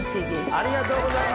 ありがとうございます。